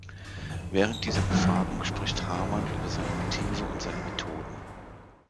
Während dieser Befragung spricht Haarmann über seine Motive und seine Methoden.